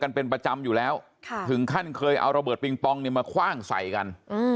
เป็นประจำอยู่แล้วถึงขั้นเคยเอาระเบิดปิงปองเนี่ยมาคว่างใส่กัน